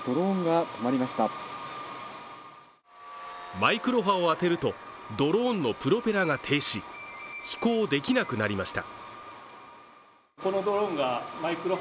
マイクロ波を当てるとドローンのプロペラが停止、飛行できなくなりました。